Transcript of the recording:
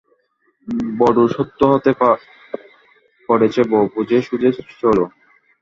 বড়ো শক্ত হাতে পড়েছ বউ, বুঝে সুঝে চোলো।